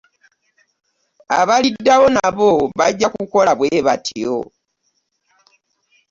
Abaliddawo nabo bajja kukola bwe batyo.